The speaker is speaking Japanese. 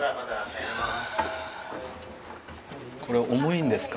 これ重いんですか？